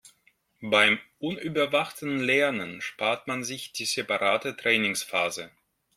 Beim unüberwachten Lernen spart man sich die separate Trainingsphase.